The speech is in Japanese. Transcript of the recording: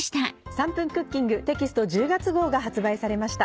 『３分クッキング』テキスト１０月号が発売されました。